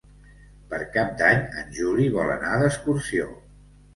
Per Cap d'Any en Juli vol anar d'excursió.